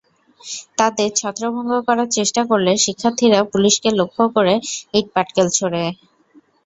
তাদের ছত্রভঙ্গ করার চেষ্টা করলে শিক্ষার্থীরা পুলিশকে লক্ষ্য করে ইটপাটকেল ছোড়ে।